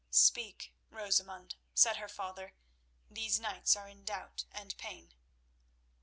"Speak, Rosamund," said her father. "These knights are in doubt and pain."